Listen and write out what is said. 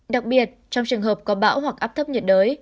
đặc biệt trong trường hợp có bão hoặc áp thấp nhiệt đới